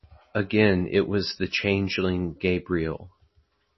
Again it was the changeling Gabriel.